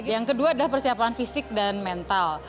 yang kedua adalah persiapan fisik dan mental